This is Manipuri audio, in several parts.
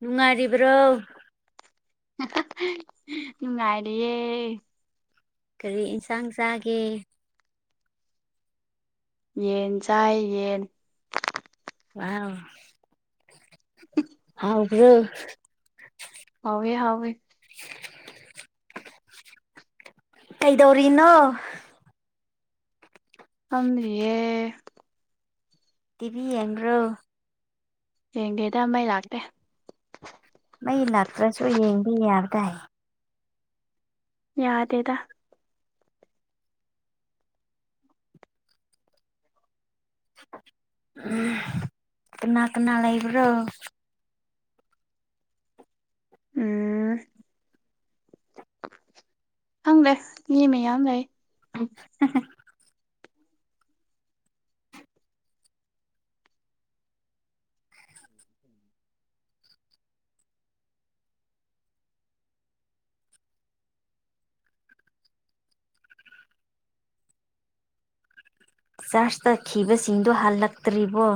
ꯅꯨꯡꯉꯥꯏꯔꯤꯕ꯭ꯔꯣ ꯅꯨꯡꯉꯥꯏꯔꯤꯑꯌꯦ ꯀꯔꯤ ꯏꯟꯁꯥꯡ ꯆꯥꯒꯦ ꯌꯦꯟ ꯆꯥꯏ ꯌꯦꯟ ꯑ ꯍꯥꯎꯕ꯭ꯔꯣ ꯍꯧꯋꯦ ꯍꯧꯋꯦ ꯀꯩꯗꯧꯔꯤꯅꯣ ꯑ ꯌꯦꯦ ꯇꯤꯚꯤ ꯌꯦꯡ꯭ꯔꯣ ꯌꯦꯡꯒꯦꯗ ꯃꯩ ꯂꯥꯛꯇꯦ ꯃꯩ ꯂꯥꯛꯇ꯭ꯔꯁꯨ ꯌꯦꯡꯕ ꯌꯥꯕꯗꯥꯏ ꯌꯥꯗꯦꯗ ꯎꯝ ꯀꯅꯥ ꯀꯅꯥ ꯂꯩ ꯂꯩꯕ꯭ꯔꯣ ꯎ ꯈꯪꯗꯦ ꯌꯦꯦꯝꯃꯦ ꯌꯥꯝ ꯂꯩ ꯆꯥꯔꯆ ꯇꯛꯈꯤꯕꯁꯤꯡꯗꯨꯣ ꯍꯜꯂꯛꯇ꯭ꯔꯤꯕꯣ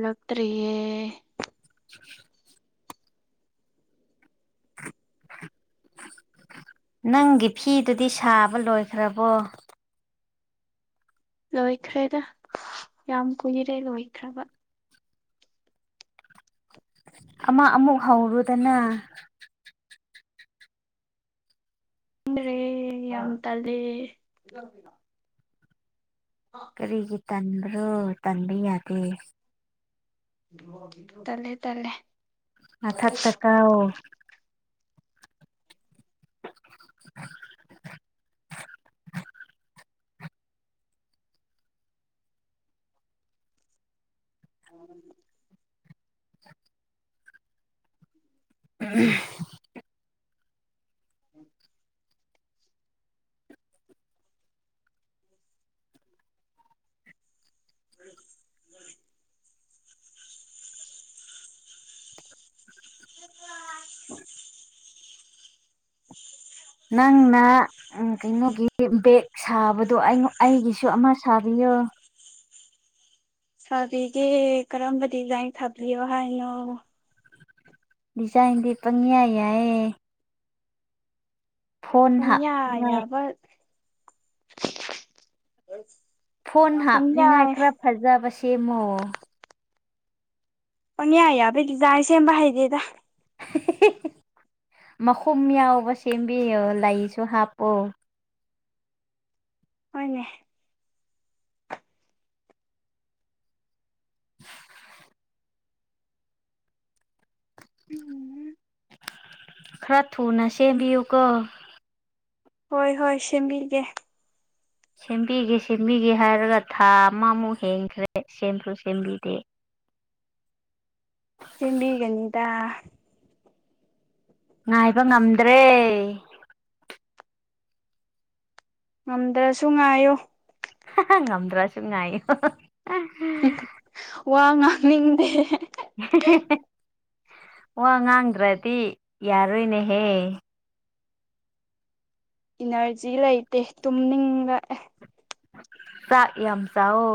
ꯂꯛꯇꯔꯤꯌꯦ [unintelligible] ꯅꯪꯒꯤ ꯐꯤꯗꯨꯗꯤ ꯁꯥꯕ ꯂꯣꯏꯈ꯭ꯔꯕꯣ ꯂꯣꯏꯈ꯭ꯔꯦꯗ ꯌꯥꯝ ꯀꯨꯏꯔꯦ ꯂꯣꯏꯈ꯭ꯔꯕ ꯑꯃ ꯑꯃꯨꯛ ꯍꯧꯔꯨꯗꯅ ꯏꯦ ꯌꯥꯝ ꯇ ꯂꯩꯦ ꯀꯔꯤꯒꯤ ꯇꯟꯕ꯭ꯔꯣ ꯇꯟꯕ ꯌꯥꯗꯦ ꯇꯂꯦ ꯇꯂꯦ ꯃ ꯊꯥꯛ ꯇ ꯀ ꯎꯝ ꯎꯝ ꯎꯝ [unintelligible] [inaudible] ꯅꯪꯅ ꯎꯝ ꯀꯩꯅꯣꯒꯤ ꯕꯦꯛ ꯁꯥꯕꯗꯣ ꯑꯩꯉꯣꯟ ꯑꯩꯒꯤꯁꯨ ꯑꯃ ꯁꯥꯕꯤꯌꯣ ꯁꯥꯕꯤꯒꯦ ꯀꯔꯝꯕ ꯗꯤꯖꯥꯏꯟ ꯁꯥꯕꯤꯌꯣ ꯍꯥꯏꯅꯣ ꯗꯤꯖꯥꯏꯟꯗꯤ ꯄꯪꯌꯥ ꯌꯥꯏꯌꯦ ꯐꯣꯟ ꯄꯪꯌꯥ ꯍꯥꯞꯅꯤꯡꯉꯥꯏ ꯌꯥꯕ ꯐꯣꯟ ꯪ ꯄꯪꯌꯥ ꯍꯥꯞꯅꯤꯡꯉꯥꯏ ꯌꯥꯏ ꯈꯔ ꯐꯖꯕ ꯁꯦꯝꯃꯣ ꯄꯪꯌꯥ ꯌꯥꯕꯩ ꯗꯤꯖꯥꯏꯟ ꯁꯦꯝꯕ ꯍꯩꯇꯦꯗ ꯃꯈꯨꯝ ꯌꯥꯎꯕ ꯁꯦꯝꯕꯤꯌꯣ ꯂꯩꯁꯨ ꯍꯥꯞꯄꯣ ꯍꯣꯏꯅꯦ [unintelligible] ꯈꯔ ꯊꯨꯅ ꯁꯦꯝꯕꯤꯌꯨꯀꯣ ꯍꯣꯏ ꯍꯣꯏ ꯁꯦꯝꯕꯤꯒꯦ ꯁꯦꯝꯕꯤꯒꯦ ꯁꯦꯝꯕꯤꯒꯦ ꯍꯥꯏꯔꯒ ꯊꯥ ꯑꯃꯃꯨꯛ ꯍꯦꯟꯈ꯭ꯔꯦ ꯁꯦꯝꯁꯨ ꯁꯦꯝꯕꯤꯗꯦ ꯁꯦꯝꯕꯤꯒꯅꯤꯗ ꯉꯥꯏꯕ ꯉꯝꯗ꯭ꯔꯦ ꯉꯝꯗ꯭ꯔꯁꯨ ꯉꯥꯏꯌꯣ ꯉꯝꯗ꯭ꯔꯥꯁꯨ ꯉꯥꯌꯣ ꯋꯥ ꯉꯥꯡꯅꯤꯡꯗꯦ ꯋꯥ ꯉꯥꯡꯗ꯭ꯔꯗꯤ ꯌꯥꯔꯣꯏꯅꯦꯍꯦ ꯏꯅꯔꯖꯤ ꯂꯩꯇꯦ ꯇꯨꯝꯅꯤꯡꯉꯛꯑꯦ ꯆꯥꯛ ꯌꯥꯝ ꯆꯥꯎꯑꯣ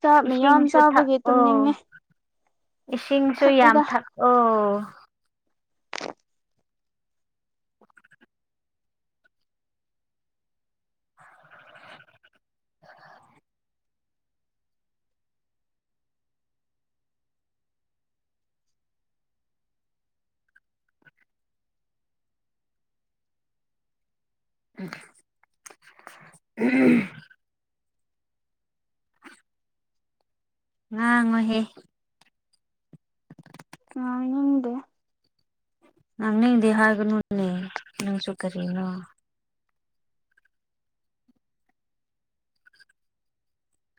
ꯆꯥꯛ ꯃꯌꯥꯝ ꯏꯁꯤꯡꯁꯨ ꯆꯥꯕꯒꯤ ꯊꯛꯑꯣ ꯇꯨꯝꯅꯤꯡꯉꯦ ꯏꯁꯤꯡꯁꯨ ꯌꯥꯝ ꯊꯛꯏꯗ ꯊꯛꯑꯣ [unintelligible] [unintelligible] ꯉꯥꯡꯉꯣꯍꯦ ꯉꯥꯡꯅꯤꯡꯗꯦ ꯉꯥꯡꯅꯤꯡꯗꯦ ꯍꯥꯏꯒꯅꯨꯅꯦ ꯅꯪꯁꯨ ꯀꯔꯤꯅꯣ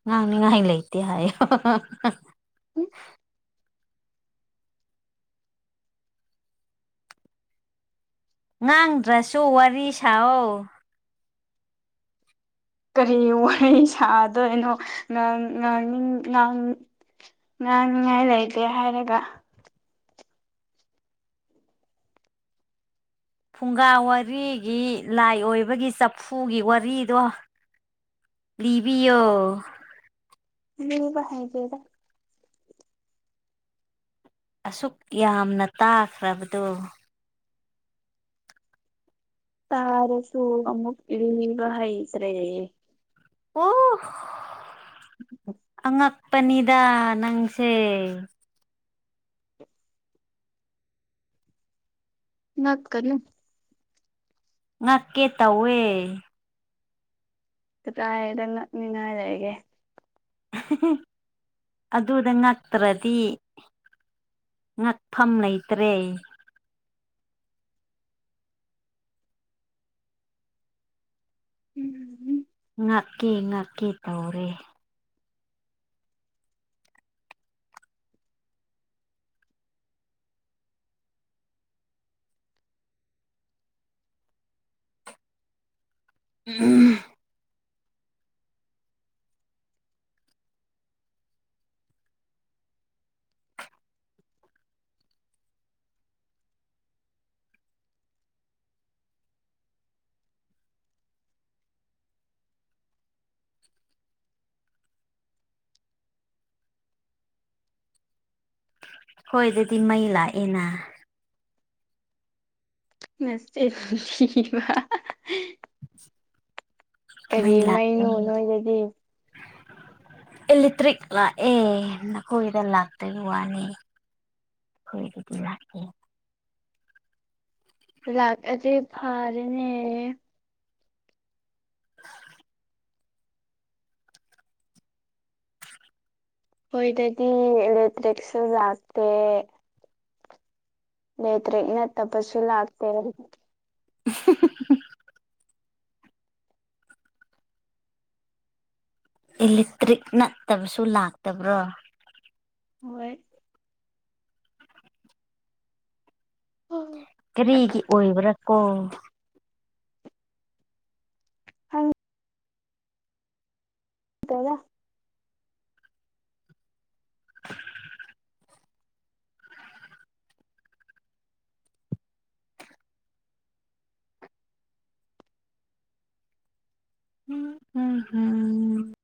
ꯉꯥꯡꯅꯤꯉꯥꯏ ꯂꯩꯇꯦ ꯍꯥꯏꯌꯣ [inaudible] ꯉꯥꯡꯗ꯭ꯔꯁꯨ ꯋꯥꯔꯤ ꯁꯥꯎꯑꯣ ꯀꯔꯤ ꯋꯥꯔꯤ ꯁꯥꯗꯣꯏꯅꯣ ꯉꯥꯡ ꯉꯥꯡꯅꯤꯡ ꯉꯥꯡ ꯉꯥꯡꯅꯤꯉꯥꯏ ꯂꯩꯇꯦ ꯍꯥꯏꯔꯒ ꯐꯨꯡꯒꯥ ꯋꯥꯔꯤꯒꯤ ꯂꯥꯏ ꯑꯣꯏꯕꯒꯤ ꯆꯐꯨꯒꯤ ꯋꯥꯔꯤꯗꯣ ꯂꯤꯕꯤꯌꯣ ꯂꯤꯕ ꯍꯩꯇꯦꯗ ꯑꯁꯨꯛ ꯌꯥꯝꯅ ꯇꯥꯈ꯭ꯔꯕꯗꯣ ꯇꯥꯔꯁꯨ ꯑꯃꯨꯛ ꯂꯤꯕ ꯍꯩꯇ꯭ꯔꯦ ꯑꯣ ꯑꯉꯛꯄꯅꯤꯗ ꯅꯪꯁꯦ ꯉꯛꯀꯅꯨ ꯉꯛꯀꯦ ꯇꯧꯋꯦ ꯀꯗꯥꯏꯗ ꯉꯛꯅꯤꯡꯉꯥꯏ ꯂꯩꯒꯦ ꯑꯗꯨꯗ ꯉꯛꯇ꯭ꯔꯗꯤ ꯉꯛꯐꯝ ꯂꯩꯇ꯭ꯔꯦ [unintelligible] ꯉꯥꯛꯀꯦ ꯉꯥꯛꯀꯦ ꯇꯧꯔꯦ [inaudible] ꯈꯣꯏꯗꯗꯤ ꯃꯩ ꯂꯥꯛꯑꯦꯅ [unintelligible] ꯀꯔꯤ ꯃꯩ ꯂꯥꯛ ꯃꯩꯅꯣ ꯅꯣꯏꯗꯗꯤ ꯏꯂꯦꯛꯇ꯭ꯔꯤꯛ ꯂꯥꯛꯑꯦ ꯅꯈꯣꯏꯗ ꯂꯥꯛꯇꯕꯩ ꯋꯥꯅꯤ ꯑꯈꯣꯏꯒꯤꯗꯤ ꯂꯥꯛꯑꯦ ꯂꯥꯛꯑꯗꯤ ꯐꯔꯅꯦ ꯑꯈꯣꯏꯗꯗꯤ ꯏꯂꯦꯛꯇ꯭ꯔꯤꯛꯁꯨ ꯂꯥꯛꯇꯦ ꯂꯦꯛꯇ꯭ꯔꯤꯛ ꯅꯠꯇꯕꯁꯨ ꯂꯥꯛꯇꯦ [inaudible] ꯏꯂꯦꯛꯇ꯭ꯔꯤꯛ ꯅꯠꯇꯕꯁꯨ ꯂꯥꯛꯇꯕ꯭ꯔꯣ ꯍꯣꯏ ꯍꯣꯏ ꯀꯔꯤꯒꯤ ꯑꯣꯏꯕꯔꯥꯀꯣ [unintelligible] [unintelligible] [unintelligible] [inaudible]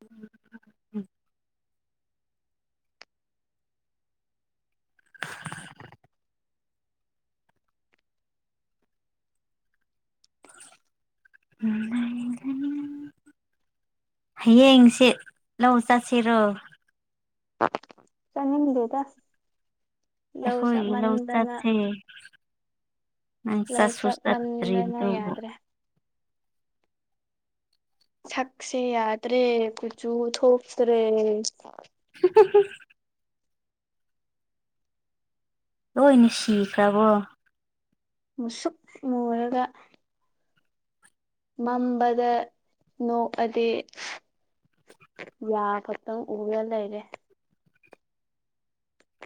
[inaudible] ꯍꯌꯦꯡꯁꯤ ꯂꯧ ꯆꯠꯁꯤꯔꯣ ꯆꯠꯅꯤꯡꯗꯦꯗ ꯂꯧ ꯑꯩꯈꯣꯏꯒꯤ ꯂꯧ ꯆꯞꯃꯟꯗꯅ ꯆꯠꯁꯦ ꯅꯪ ꯂꯧ ꯆꯠꯁꯨ ꯆꯠꯃꯟꯗꯅ ꯆꯠꯇ꯭ꯔꯤꯕꯗꯨꯕꯨ ꯌꯥꯗ꯭ꯔꯦ ꯁꯛꯁꯦ ꯌꯥꯗ꯭ꯔꯦ ꯀꯨꯆꯨ ꯊꯣꯛꯇ꯭ꯔꯦ꯫ [inaudible] ꯂꯣꯏꯅꯦ ꯁꯤꯈ꯭ꯔꯕꯣ ꯃꯨꯁꯨꯛ ꯃꯨꯔꯒ ꯃꯝꯕꯗ ꯅꯣꯛꯑꯗꯤ ꯌꯥ ꯈꯛꯇꯪ ꯎꯔ ꯂꯩꯔꯦ꯫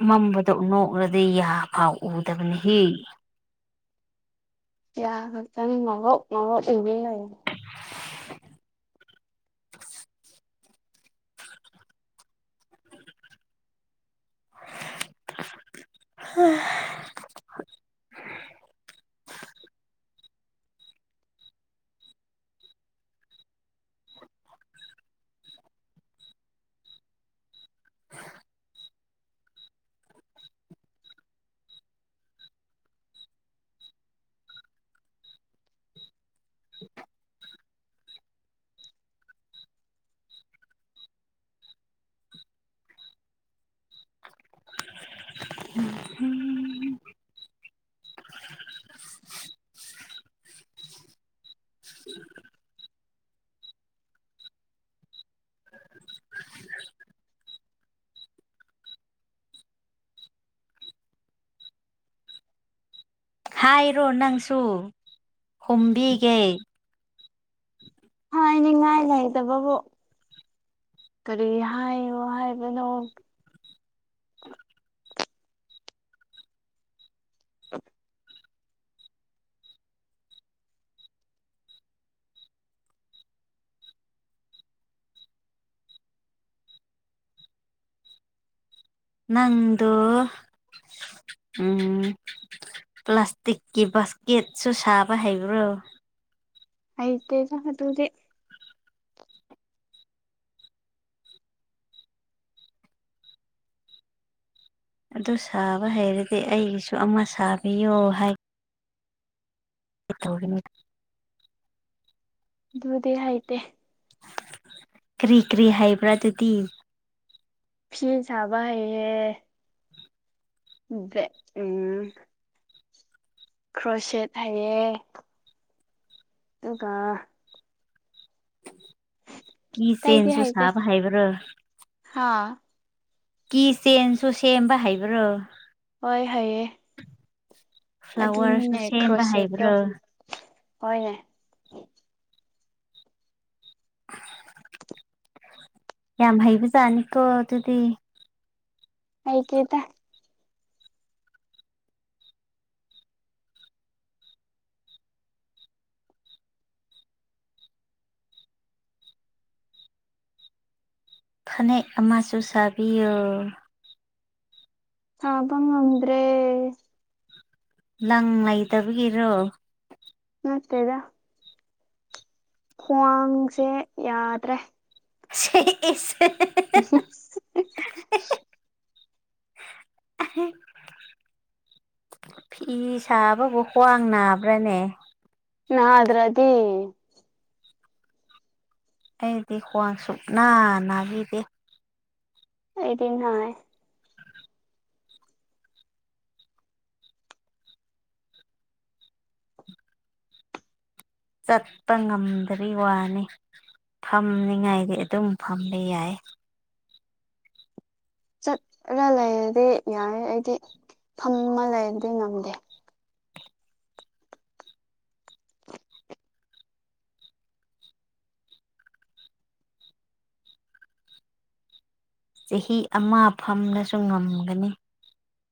ꯃꯝꯕꯗ ꯅꯣꯛꯂꯗꯤ ꯌꯥꯐꯥꯎ ꯎꯗꯕꯅꯤ ꯍꯦ ꯌꯥ ꯈꯛꯇꯪ ꯉꯧꯔꯣꯛ ꯉꯧꯔꯣꯛ ꯎꯒꯩ ꯂꯩꯌꯦ [unintelligible] ꯍꯥ [inaudible] ꯍꯥꯏꯔꯣ ꯅꯪꯁꯨ ꯍꯨꯝꯕꯤꯒꯦ ꯍꯥꯏ ꯍꯥꯏꯅꯤꯡꯉꯥꯏ ꯂꯩꯇꯕꯕꯨ ꯀꯔꯤ ꯍꯥꯏꯌꯣ ꯍꯥꯏꯕꯅꯣ ꯑ ꯅꯪꯗꯨ ꯎꯝ ꯄ꯭ꯂꯥꯁꯇꯤꯛꯀꯤ ꯕꯥꯁꯀꯦꯠꯁꯨ ꯁꯥꯕ ꯍꯩꯕ꯭ꯔꯣ ꯑꯥꯏꯗ ꯆ ꯇꯨꯗꯤ ꯑꯗꯨ ꯁꯥꯕ ꯍꯩꯔꯗꯤ ꯑꯩꯒꯤꯁꯨ ꯑꯃ ꯁꯥꯕꯤꯌꯣ ꯍꯥꯏ ꯇꯅꯤ ꯑꯗꯨꯕꯨꯗꯦꯔ ꯍꯥꯏꯥꯏꯇꯦ ꯀ꯭ꯔꯤ ꯀ꯭ꯔꯤ ꯍꯥꯏꯕ꯭ꯔꯥ ꯑꯗꯨꯗꯤ ꯐꯤꯤꯟ ꯁꯕ ꯍꯥꯏꯩꯍꯦ ꯏꯗ꯭ꯔꯦ ꯎꯝ ꯀ꯭ꯔꯣꯁꯦꯠ ꯍꯥꯏꯌꯦꯦ ꯑꯗꯨꯒ ꯀ ꯆꯦꯟꯁꯨ ꯁꯥꯕ ꯍꯥꯏꯕ꯭ꯔꯥ ꯍꯥꯥ ꯀꯤ ꯆꯦꯟꯁꯨ ꯁꯦꯝꯕ ꯍꯩꯕ꯭ꯔꯣ ꯍꯣꯏ ꯍꯥꯏꯩꯑ ꯐ꯭ꯂꯥꯋꯔꯁꯨ ꯑꯗꯨꯅꯅꯦ ꯁꯦꯝꯕ ꯀ꯭ꯔꯣꯁ ꯆꯦꯠꯇꯣ ꯍꯩꯕ꯭ꯔꯣ ꯍꯅꯦ ꯌꯥꯝ ꯍꯩꯕꯖꯥꯠꯅꯤꯀꯣ ꯑꯗꯨꯗꯤ ꯑꯩ ꯀꯦꯗ ꯐꯅꯦꯛ ꯑꯃꯁꯨ ꯁꯥꯕꯤꯌꯨ ꯁꯥꯕ ꯉꯝꯗ꯭ꯔꯦ ꯂꯪ ꯂꯩꯇꯕꯒꯤꯔꯣ ꯅꯥꯇꯦꯗꯥ ꯈ꯭ꯋꯥꯡꯁꯦ ꯌꯥꯗ꯭ꯔꯦ [unintelligible] ꯑꯁ [unintelligible] ꯐꯤ ꯁꯥꯕꯕꯨ ꯈ꯭ꯋꯥꯡ ꯅꯥꯕ꯭ꯔꯥꯅꯦ ꯅꯗ꯭ꯔꯗꯤ ꯑꯩꯗꯤ ꯈ꯭ꯋꯥꯡ ꯁꯨꯛꯅꯥ ꯅꯥꯕꯤꯗꯦ ꯑꯩꯗꯤ ꯅꯥꯏ ꯆꯠꯄ ꯉꯝꯗꯔꯤ ꯋꯥꯅꯤ ꯐꯝꯅꯤꯉꯥꯏꯗꯤ ꯑꯗꯨꯝ ꯐꯝꯕ ꯌꯥꯏ ꯆꯠꯂ ꯂꯩꯔꯗꯤ ꯌꯥꯏ ꯑꯩꯗꯤ ꯐꯝꯃ ꯂꯩꯔꯗꯤ ꯉꯝꯗꯦ ꯆꯍꯤ ꯑꯃ ꯐꯝꯂꯁꯨ ꯉꯝꯒꯅꯤ